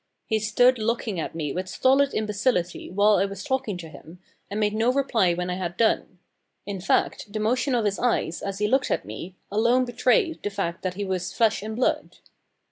He stood looking at me with stolid imbecility while I was talking to him, and made no reply when I had done. In fact the motion of his eyes, as he looked at me, alone betrayed the fact that he was flesh and blood.